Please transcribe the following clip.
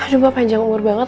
aduh gue panjang umur banget